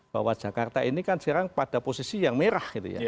bahwa jakarta ini kan sekarang pada posisi yang merah